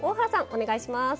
お願いします。